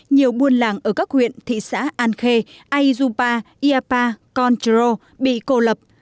nhiều buôn làng ở các huyện thị xã an khê aizupa iapa conchero bị cô lập